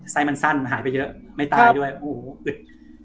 ไส้มันสั้นหายไปเยอะไม่ตายด้วยโอ้โหอึด